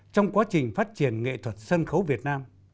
trong quá trình phát triển nghệ thuật sân khấu việt nam